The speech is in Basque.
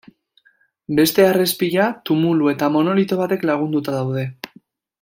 Beste harrespila, tumulu eta monolito batek lagunduta daude.